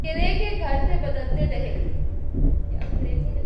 Kiray K Ghar Thay Badalty Rahay